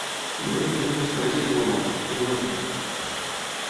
Li van oferir el mestratge d'Igualada, que no va admetre.